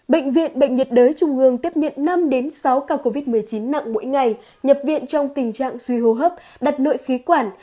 bệnh viện bệnh nhiệt đới trung hương tiếp nhận năm sáu ca covid một mươi chín nặng mỗi ngày nhập viện trong tình trạng suy hô hấp đặt nội khí quản